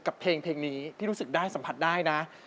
กับเพลงนี้ที่รู้สึกได้สัมผัสได้นะ